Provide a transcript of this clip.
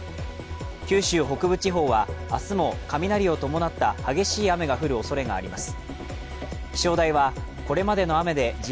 九州北部地方は明日も雷を伴った激しい雨が降るおそれがあります。